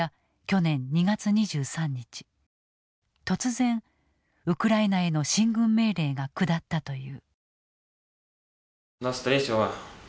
突然ウクライナへの進軍命令が下ったという。